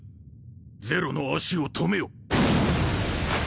ゼロの足を止めよ。